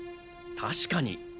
確かに。